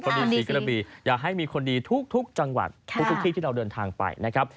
ดีศรีกระบีอยากให้มีคนดีทุกจังหวัดทุกที่ที่เราเดินทางไปนะครับ